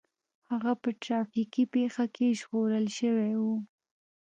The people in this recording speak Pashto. هغه په ټرافيکي پېښه کې ژغورل شوی و